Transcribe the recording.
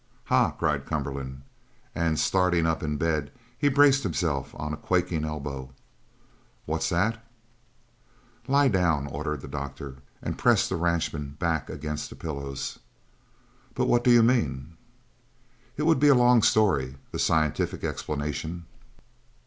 "Ha!" cried Cumberland, and starting up in bed he braced himself on a quaking elbow. "What's that?" "Lie down!" ordered the doctor, and pressed the ranchman back against the pillows. "But what d'you mean?" "It would be a long story the scientific explanation."